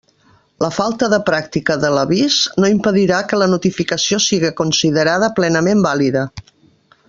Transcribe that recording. La falta de pràctica de l'avís no impedirà que la notificació siga considerada plenament vàlida.